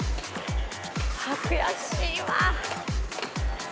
「悔しいわ！」